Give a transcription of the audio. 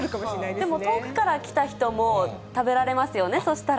でも遠くから来た人も食べられますよね、そしたら。